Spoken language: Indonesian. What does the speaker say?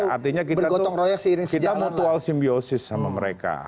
artinya kita mutual simbiosis sama mereka